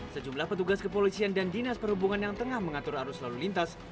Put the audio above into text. sejumlah petugas kepolisian dan dinas perhubungan yang tengah mengatur arus lalu lintas